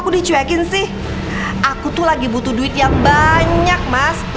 terus kita gimana dong mas